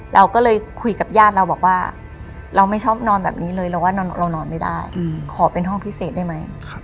เราก็เลยคุยกับญาติเราบอกว่าเราไม่ชอบนอนแบบนี้เลยเราว่าเรานอนไม่ได้ขอเป็นห้องพิเศษได้ไหม